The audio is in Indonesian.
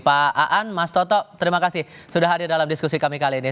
pak aan mas toto terima kasih sudah hadir dalam diskusi kami kali ini